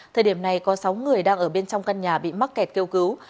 thời điểm này có sáu người đang ở bên trong căn nhà bị mắc kẹt kêu cứu